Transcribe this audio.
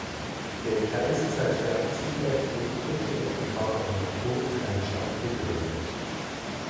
Der Kaiser sei später siegreich zurückgekehrt und habe an der Furt eine Stadt gegründet.